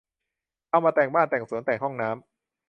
เอามาแต่งบ้าน แต่งสวน แต่งห้องน้ำ